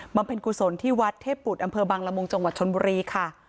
เพ็ญกุศลที่วัดเทพบุตรอำเภอบังละมุงจังหวัดชนบุรีค่ะ